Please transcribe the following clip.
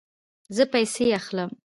زه پیسې اخلم